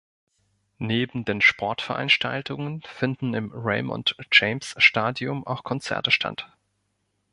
Neben den Sportveranstaltungen finden im Raymond James Stadium auch Konzerte statt.